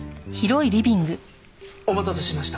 お待たせしました。